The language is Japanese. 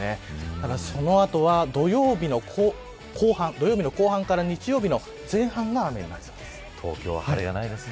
ただ、その後は、土曜日の後半日曜日の前半は雨になりそうです。